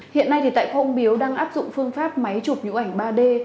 hiện nay thì tại khoa ông biếu đang áp dụng phương pháp máy trục nhũ ảnh ba d